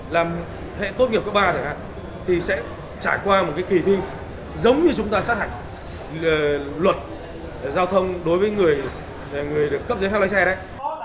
làm hệ tốt nghiệp các ba thì sẽ trải qua một kỳ thi giống như chúng ta sát hạch luật giao thông đối với người được cấp dưới theo lấy xe đấy